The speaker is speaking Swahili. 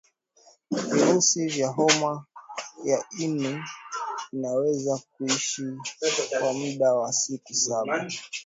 virusi vya homa ya ini vinaweza kishi kwa muda wa siku saba